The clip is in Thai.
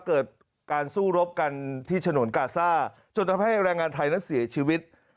เกิดการสู้รบกันที่ฉนวนกาซ่าจนทำให้แรงงานไทยนั้นเสียชีวิต